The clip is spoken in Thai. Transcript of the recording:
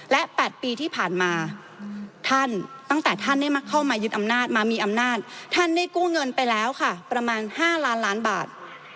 และ๘ปีที่ผ่านมาท่านตั้งแต่ท่านได้เข้ามายึดอำนาจมามีอำนาจท่านได้กู้เงินไปแล้วค่ะประมาณ๕ล้านล้านบาท